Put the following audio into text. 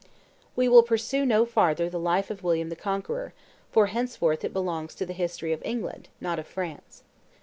We will pursue no farther the life of William the Conqueror: for henceforth it belongs to the history of England, not of France.